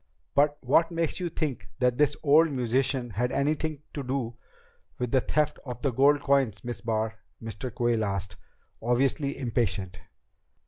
"But what makes you think this old musician had anything to do with the theft of the gold coins, Miss Barr?" Mr. Quayle asked, obviously impatient.